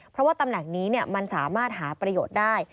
เพราะว่าตำแหน่งนี้มันสามารถหาประโยชน์ได้